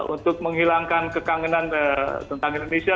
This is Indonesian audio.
untuk menghilangkan kekangenan tentang indonesia